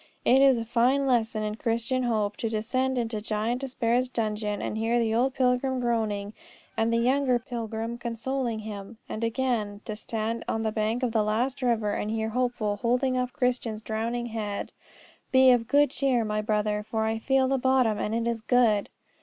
It is a fine lesson in Christian hope to descend into Giant Despair's dungeon and hear the older pilgrim groaning and the younger pilgrim consoling him, and, again, to stand on the bank of the last river and hear Hopeful holding up Christian's drowning head. "Be of good cheer, my brother, for I feel the bottom, and it is good!"